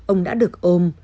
ông đã được ôm